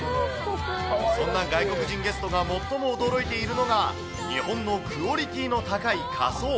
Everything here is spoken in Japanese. そんな外国人ゲストが最も驚いているのが、日本のクオリティーの高い仮装。